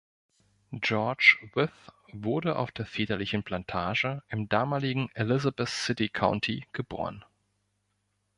George Wythe wurde auf der väterlichen Plantage im damaligen Elizabeth City County geboren.